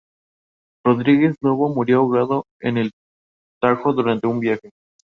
Rodrigues Lobo murió ahogado en el Tajo durante un viaje.